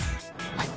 はい。